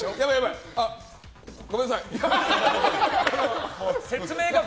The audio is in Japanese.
ごめんなさい。